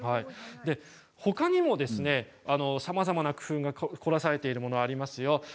ほかにもさまざまな工夫が凝らされているものがあります。